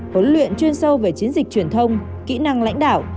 huấn luyện chuyên sâu về chiến dịch truyền thông kỹ năng lãnh đạo